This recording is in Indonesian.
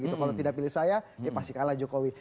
kalau tidak pilih saya dia pasti kalah jokowi